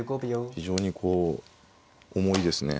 非常にこう重いですね。